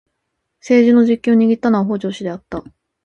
政治の実権を握ったのは北条氏であった。